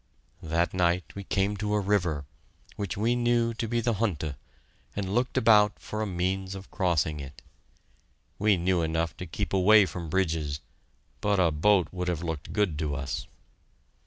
That night we came to a river, which we knew to be the Hunte, and looked about for a means of crossing it. We knew enough to keep away from bridges, but a boat would have looked good to us.